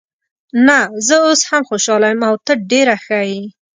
نه، زه اوس هم خوشحاله یم او ته ډېره ښه یې.